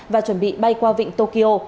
và chuẩn bị bay qua vịnh tokyo